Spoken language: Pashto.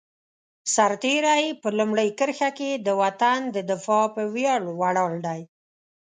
سرتېری په لومړۍ کرښه کې د وطن د دفاع په ویاړ ولاړ دی.